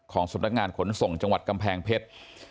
สำนักงานขนส่งจังหวัดกำแพงเพชร